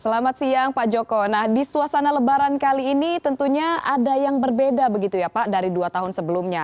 selamat siang pak joko nah di suasana lebaran kali ini tentunya ada yang berbeda begitu ya pak dari dua tahun sebelumnya